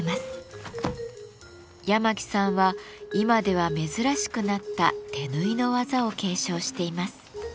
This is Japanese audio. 八巻さんは今では珍しくなった手縫いの技を継承しています。